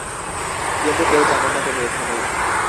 কিন্তু কেউ জানে না তুমি এখানে।